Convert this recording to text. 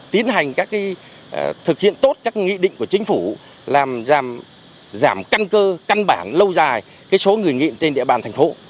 tiến hành thực hiện tốt các nghị định của chính phủ làm giảm căn cơ căn bản lâu dài số người nghiện trên địa bàn thành phố